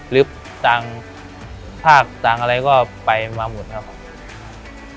ลึบต่างภาคต่างอะไรก็ไปมาหมดครับผม